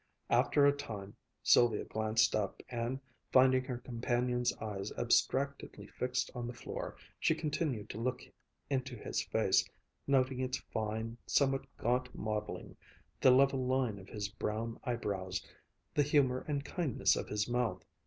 After a time Sylvia glanced up, and finding her companion's eyes abstractedly fixed on the floor, she continued to look into his face, noting its fine, somewhat gaunt modeling, the level line of his brown eyebrows, the humor and kindness of his mouth.